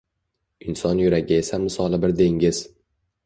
Inson yuragi esa misoli bir dengiz.